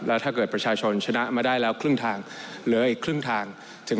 แล้วถ้าเกิดประชาชนชนะมาได้แล้วครึ่งทางเหลืออีกครึ่งทาง